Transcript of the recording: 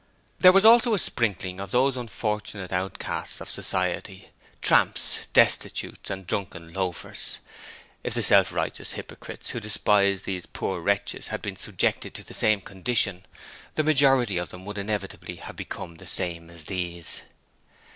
There was also a sprinkling of those unfortunate outcasts of society tramps and destitute, drunken loafers. If the self righteous hypocrites who despise these poor wretches had been subjected to the same conditions, the majority of them would inevitably have become the same as these.